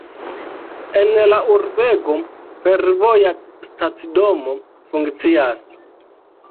En la urbego fervoja stacidomo funkcias.